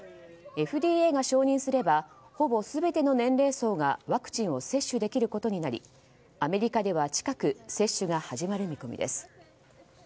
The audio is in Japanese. ＦＤＡが承認すればほぼ全ての年齢層がワクチンを接種できることになりアメリカでは近く接種が始まる見込みです。